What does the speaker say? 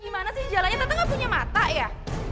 gimana sih jalannya tante gak punya mata ya